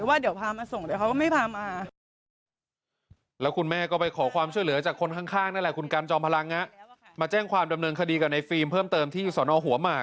ว่าเดี๋ยวพามาส่งเดี๋ยวเขาก็ไม่พามา